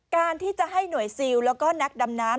การที่จะให้หน่วยซิลแล้วก็นักดำน้ำ